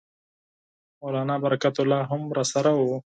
مولنا برکت الله هم راسره وو.